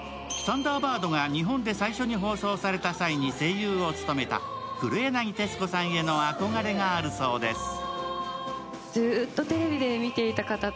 「サンダーバード」が日本で最初に放送された際に声優を務めた黒柳徹子さんへの憧れがあるそうです。